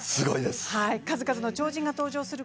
数々の超人が登場する